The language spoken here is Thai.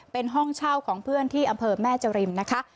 เป็นห้องเช่าของเพื่อนที่อำเภอแม่จริมนะคะ